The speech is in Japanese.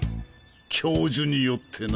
教授によってな。